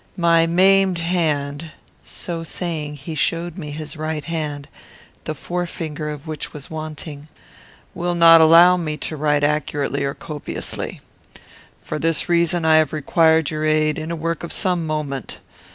My maimed hand" (so saying, he showed me his right hand, the forefinger of which was wanting) "will not allow me to write accurately or copiously. For this reason I have required your aid, in a work of some moment.